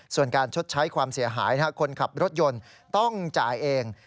ส่วนการชดใช้ความเสียหายคนขับรถยนต์ต้องจ่ายเอง